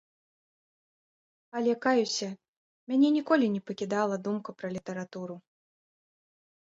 Але каюся, мяне ніколі не пакідала думка пра літаратуру.